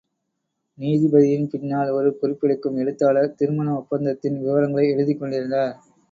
நீதிபதியின் பின்னால், ஒரு குறிப்பெடுக்கும் எழுத்தாளர், திருமண ஒப்பந்தத்தின் விவரங்களை எழுதிக் கொண்டிருந்தார்.